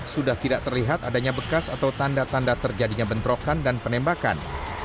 sudah tidak terlihat adanya bekas atau tanda tanda terjadinya bentrokan dan penembakan